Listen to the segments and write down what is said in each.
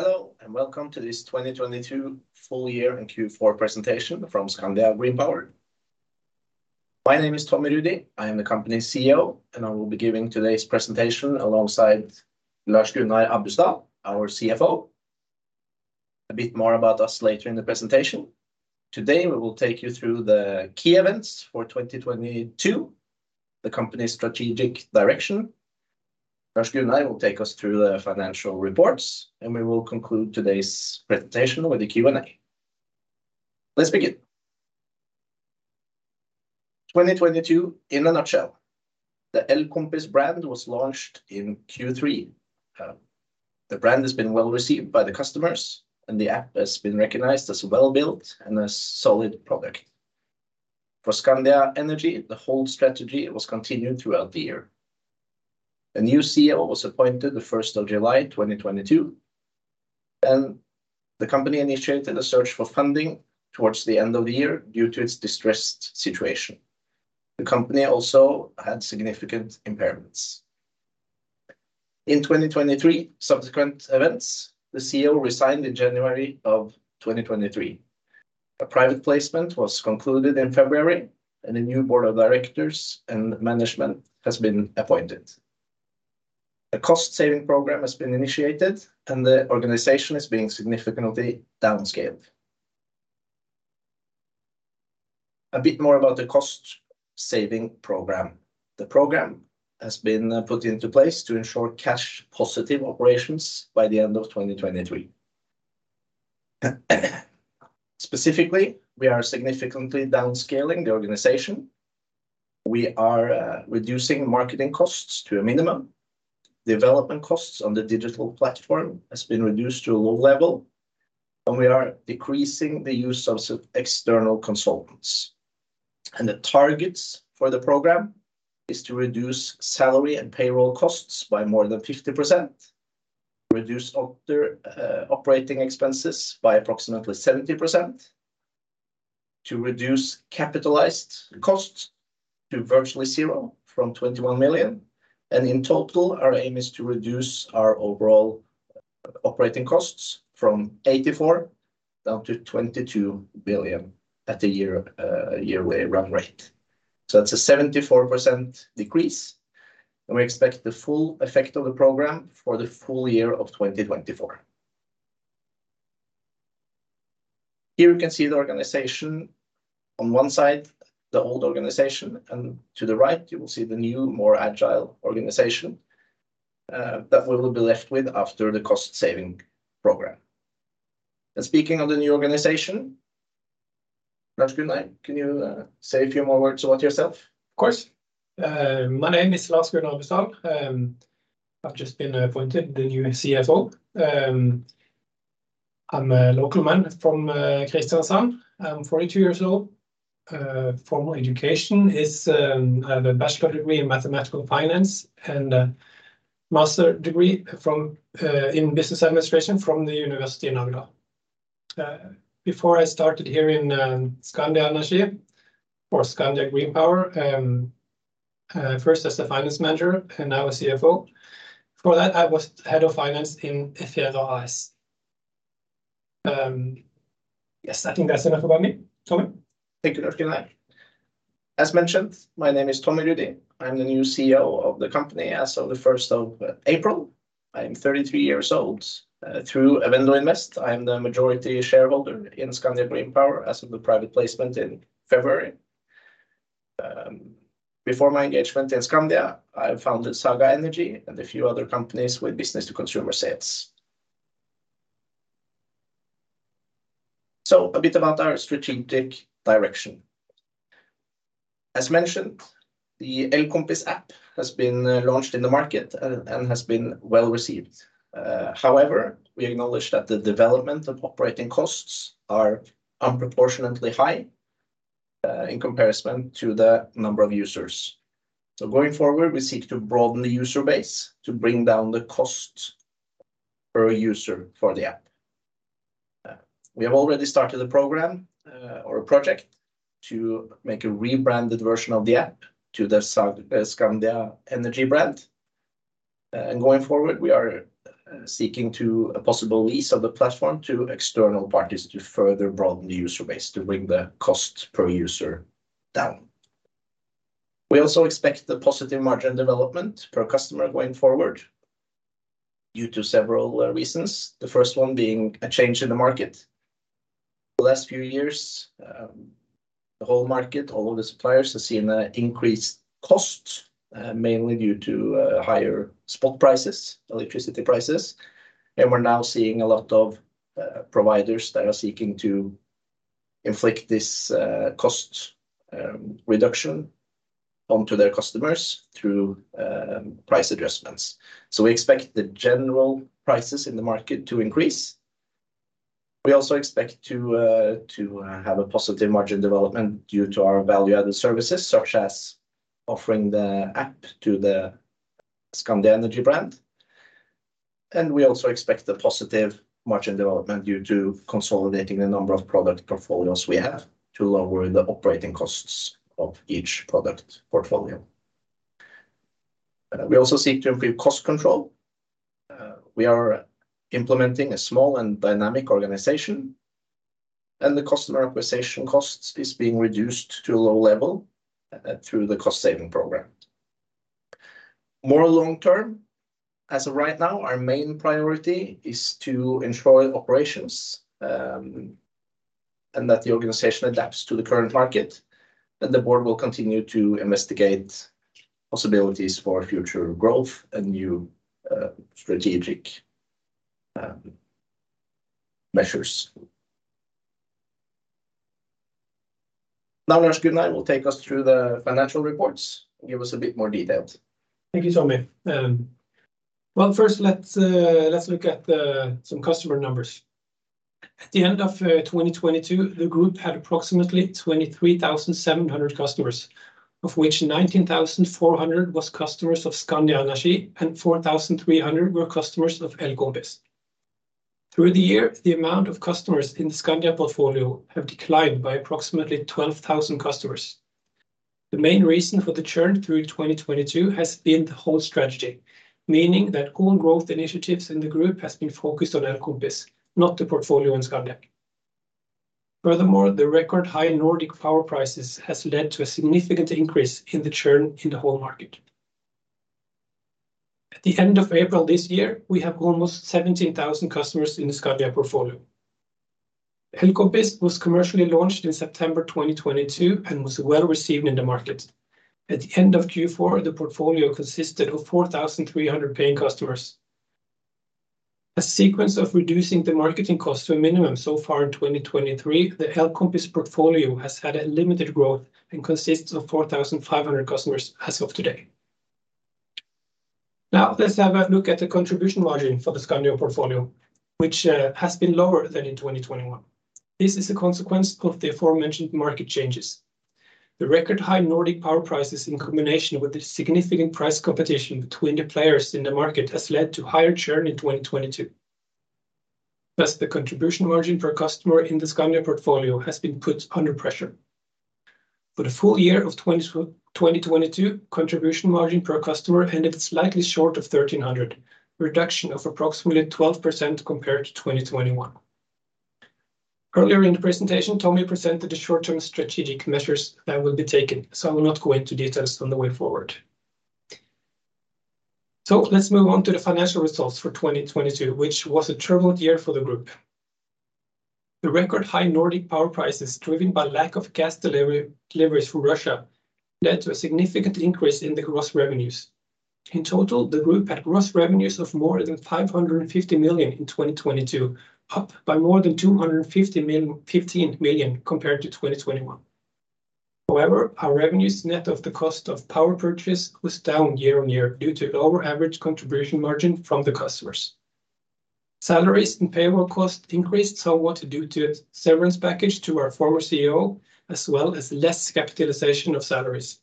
Hello, and welcome to this 2022 full year and Q4 presentation from Skandia GreenPower. My name is Tommie Rudi. I am the company's CEO, and I will be giving today's presentation alongside Lars Gunnar Abusdal, our CFO. A bit more about us later in the presentation. Today, we will take you through the key events for 2022, the company's strategic direction. Lars Gunnar will take us through the financial reports, and we will conclude today's presentation with a Q&A. Let's begin. 2022 in a nutshell. The elKompis brand was launched in Q3. The brand has been well received by the customers, and the app has been recognized as well built and a solid product. For Skandia Energi, the hold strategy was continued throughout the year. A new CEO was appointed July 1, 2022, and the company initiated a search for funding towards the end of the year due to its distressed situation. The company also had significant impairments. In 2023, subsequent events, the CEO resigned in January 2023. A private placement was concluded in February, and a new board of directors and management has been appointed. A cost-saving program has been initiated, and the organization is being significantly downscaled. A bit more about the cost saving program. The program has been put into place to ensure cash positive operations by the end of 2023. Specifically, we are significantly downscaling the organization. We are reducing marketing costs to a minimum. Development costs on the digital platform has been reduced to a low level, and we are decreasing the use of external consultants. The targets for the program is to reduce salary and payroll costs by more than 50%, reduce operating expenses by approximately 70%, to reduce capitalized costs to virtually zero from 21 million, and in total, our aim is to reduce our overall operating costs from 84 billion down to 22 billion at a year yearly run rate. That's a 74% decrease, and we expect the full effect of the program for the full year of 2024. Here, you can see the organization. On one side, the old organization, and to the right you will see the new, more agile organization that we will be left with after the cost-saving program. Speaking of the new organization, Lars Gunnar, can you say a few more words about yourself? Of course. My name is Lars Gunnar Abusdal. I've just been appointed the new CFO. I'm a local man from Kristiansand. I'm 42 years old. Formal education is, I have a bachelor degree in mathematical finance and a master degree in business administration from the University of Agder. Before I started here in Skandia Energi or Skandia GreenPower, first as the finance manager and now a CFO. Before that, I was head of finance in Fjord AS. Yes, I think that's enough about me. Tommie? Thank you, Lars Gunnar. As mentioned, my name is Tommie Rudi. I'm the new CEO of the company as of the April 1st. I'm 33 years old. Through Evendo Invest, I am the majority shareholder in Skandia GreenPower as of the private placement in February. Before my engagement in Skandia, I founded Saga Energi and a few other companies with business to consumer sales. A bit about our strategic direction. As mentioned, the elKompis app has been launched in the market and has been well-received. However, we acknowledge that the development of operating costs are unproportionately high in comparison to the number of users. Going forward, we seek to broaden the user base to bring down the cost per user for the app. We have already started a program or a project to make a rebranded version of the app to the Skandia Energi brand. Going forward, we are seeking to a possible lease of the platform to external parties to further broaden the user base to bring the cost per user down. We also expect the positive margin development per customer going forward due to several reasons. The first one being a change in the market. The last few years, the whole market, all of the suppliers have seen a increased cost, mainly due to higher spot prices, electricity prices, and we're now seeing a lot of providers that are seeking to inflict this cost reduction onto their customers through price adjustments. We expect the general prices in the market to increase. We also expect to have a positive margin development due to our value added services, such as offering the app to the Skandia Energi brand. We also expect the positive margin development due to consolidating the number of product portfolios we have to lower the operating costs of each product portfolio. We also seek to improve cost control. We are implementing a small and dynamic organization, and the customer acquisition costs is being reduced to a low level through the cost-saving program. More long term, as of right now, our main priority is to ensure operations, and that the organization adapts to the current market, and the board will continue to investigate possibilities for future growth and new strategic measures. Now Lars Gunnar will take us through the financial reports and give us a bit more details. Thank you, Tommie. Well, first let's look at some customer numbers. At the end of 2022, the group had approximately 23,700 customers, of which 19,400 was customers of Skandia Energi, and 4,300 were customers of elKompis. Through the year, the amount of customers in the Skandia portfolio have declined by approximately 12,000 customers. The main reason for the churn through 2022 has been the whole strategy, meaning that all growth initiatives in the group has been focused on elKompis, not the portfolio in Skandia. Furthermore, the record high Nordic power prices has led to a significant increase in the churn in the whole market. At the end of April this year, we have almost 17,000 customers in the Skandia portfolio. elKompis was commercially launched in September 2022 and was well received in the market. At the end of Q4, the portfolio consisted of 4,300 paying customers. A sequence of reducing the marketing cost to a minimum so far in 2023, the elKompis portfolio has had a limited growth and consists of 4,500 customers as of today. Let's have a look at the contribution margin for the Skandia portfolio, which has been lower than in 2021. This is a consequence of the aforementioned market changes. The record high Nordic power prices in combination with the significant price competition between the players in the market has led to higher churn in 2022. The contribution margin per customer in the Skandia portfolio has been put under pressure. For the full year of 2022, contribution margin per customer ended slightly short of 1,300, a reduction of approximately 12% compared to 2021. Earlier in the presentation, Tommie presented the short term strategic measures that will be taken. I will not go into details on the way forward. Let's move on to the financial results for 2022, which was a turbulent year for the group. The record high Nordic power prices, driven by lack of gas deliveries from Russia, led to a significant increase in the gross revenues. In total, the group had gross revenues of more than 550 million in 2022, up by more than 15 million compared to 2021. Our revenues, net of the cost of power purchase, was down year-on-year due to lower average contribution margin from the customers. Salaries and payroll costs increased somewhat due to a severance package to our former CEO, as well as less capitalization of salaries.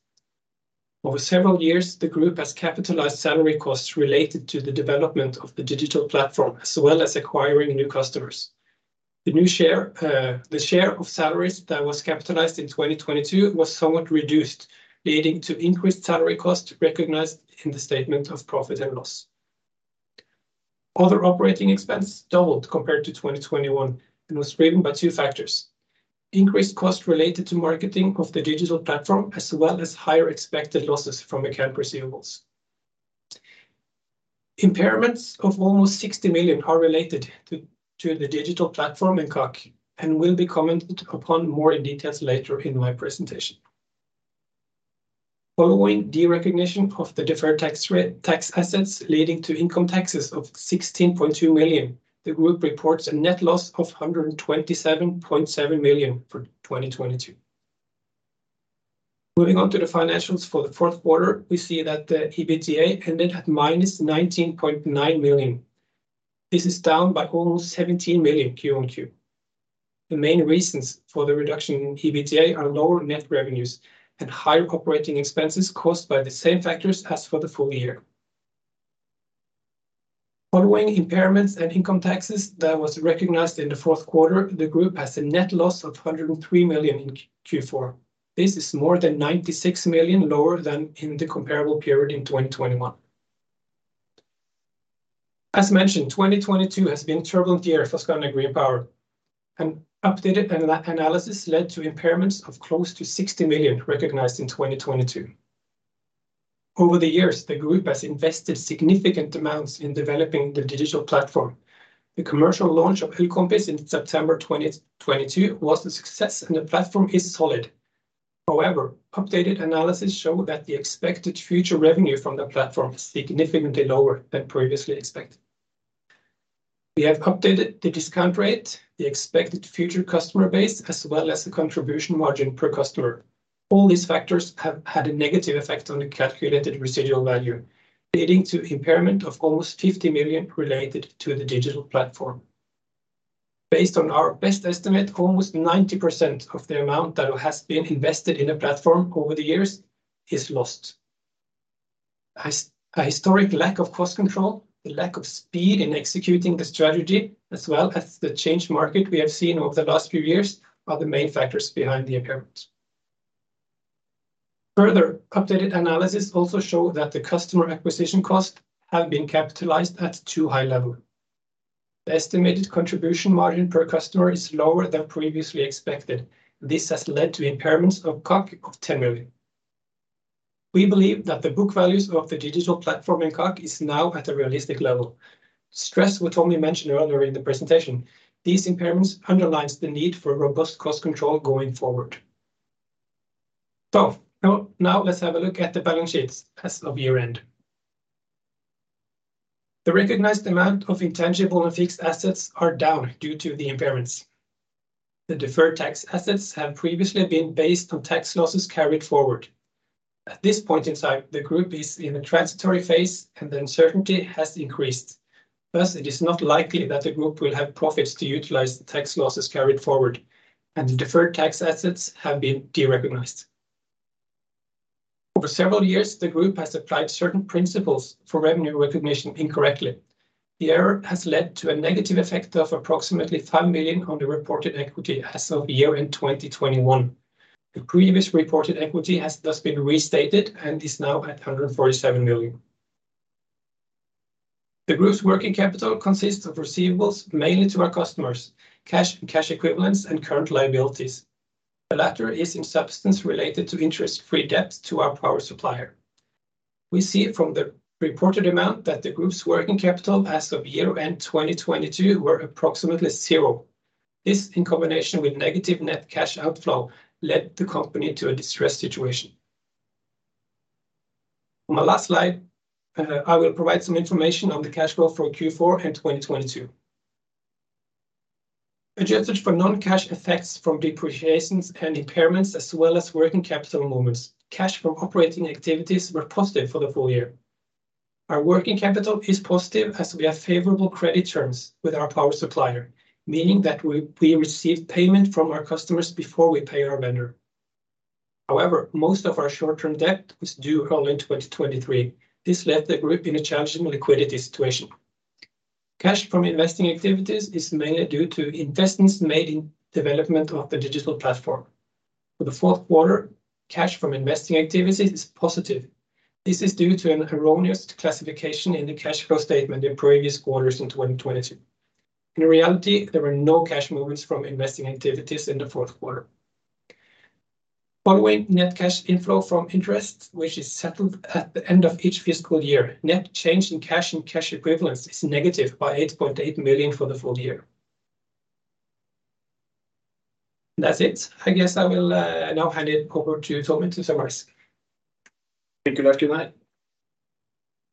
Over several years, the group has capitalized salary costs related to the development of the digital platform, as well as acquiring new customers. The new share, the share of salaries that was capitalized in 2022 was somewhat reduced, leading to increased salary costs recognized in the statement of profit and loss. Other operating expenses doubled compared to 2021 and was driven by two factors: increased costs related to marketing of the digital platform, as well as higher expected losses from account receivables. Impairments of almost 60 million are related to the digital platform in CAC and will be commented upon more in detail later in my presentation. Following derecognition of the deferred tax assets leading to income taxes of 16.2 million, the group reports a net loss of 127.7 million for 2022. Moving on to the financials for the fourth quarter, we see that the EBITDA ended at minus 19.9 million. This is down by almost 17 million QoQ. The main reasons for the reduction in EBITDA are lower net revenues and higher operating expenses caused by the same factors as for the full year. Following impairments and income taxes that was recognized in the fourth quarter, the group has a net loss of 103 million in Q4. This is more than 96 million lower than in the comparable period in 2021. As mentioned, 2022 has been a turbulent year for Skandia GreenPower. An updated analysis led to impairments of close to 60 million recognized in 2022. Over the years, the group has invested significant amounts in developing the digital platform. The commercial launch of elKompis in September 2022 was a success, and the platform is solid. However, updated analysis show that the expected future revenue from the platform is significantly lower than previously expected. We have updated the discount rate, the expected future customer base, as well as the contribution margin per customer. All these factors have had a negative effect on the calculated residual value, leading to impairment of almost 50 million related to the digital platform. Based on our best estimate, almost 90% of the amount that has been invested in the platform over the years is lost. A historic lack of cost control, the lack of speed in executing the strategy, as well as the changed market we have seen over the last few years are the main factors behind the impairments. Further updated analysis also show that the customer acquisition cost have been capitalized at too high level. The estimated contribution margin per customer is lower than previously expected. This has led to impairments of CAC of 10 million. We believe that the book values of the digital platform in CAC is now at a realistic level. Stress, which Tommie mentioned earlier in the presentation, these impairments underlines the need for robust cost control going forward. Now, let's have a look at the balance sheets as of year-end. The recognized amount of intangible and fixed assets are down due to the impairments. The deferred tax assets have previously been based on tax losses carried forward. At this point in time, the group is in a transitory phase, and the uncertainty has increased. Thus, it is not likely that the group will have profits to utilize the tax losses carried forward, and the deferred tax assets have been derecognized. Over several years, the group has applied certain principles for revenue recognition incorrectly. The error has led to a negative effect of approximately 5 million on the reported equity as of year-end 2021. The previous reported equity has thus been restated and is now at 147 million. The group's working capital consists of receivables, mainly to our customers, cash and cash equivalents, and current liabilities. The latter is in substance related to interest-free debt to our power supplier. We see from the reported amount that the group's working capital as of year end 2022 were approximately zero. This, in combination with negative net cash outflow, led the company to a distressed situation. On my last slide, I will provide some information on the cash flow for Q4 and 2022. Adjusted for non cash effects from depreciations and impairments as well as working capital movements, cash from operating activities were positive for the full year. Our working capital is positive as we have favorable credit terms with our power supplier, meaning that we receive payment from our customers before we pay our vendor. However, most of our short-term debt was due all in 2023. This left the group in a challenging liquidity situation. Cash from investing activities is mainly due to investments made in development of the digital platform. For the fourth quarter, cash from investing activities is positive. This is due to an erroneous classification in the cash flow statement in previous quarters in 2022. In reality, there were no cash movements from investing activities in the fourth quarter. Following net cash inflow from interest, which is settled at the end of each fiscal year, net change in cash and cash equivalents is negative by 8.8 million for the full year. That's it. I guess I will now hand it over to Tommie to summarize. Thank you, Gunnar.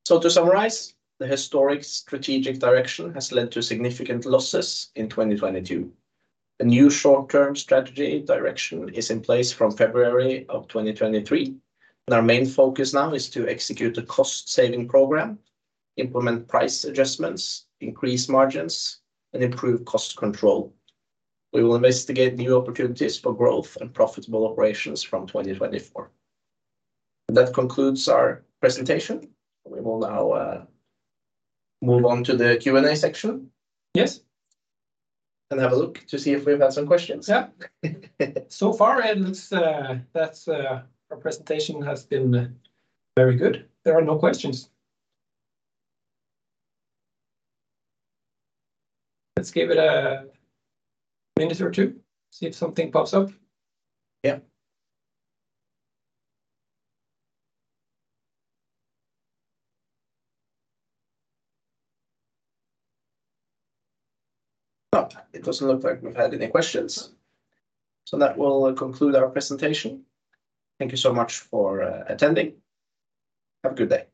To summarize, the historic strategic direction has led to significant losses in 2022. A new short term strategy direction is in place from February of 2023. Our main focus now is to execute the cost saving program, implement price adjustments, increase margins, and improve cost control. We will investigate new opportunities for growth and profitable operations from 2024. That concludes our presentation. We will now move on to the Q&A section. Yes. Have a look to see if we've had some questions. Yeah. So far, and it's, that's, our presentation has been very good. There are no questions. Let's give it a minute or two, see if something pops up. Yeah. No, it doesn't look like we've had any questions. That will conclude our presentation. Thank you so much for attending. Have a good day. Bye.